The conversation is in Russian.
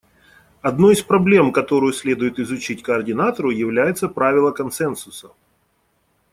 Одной из проблем, которую следует изучить координатору, является правило консенсуса.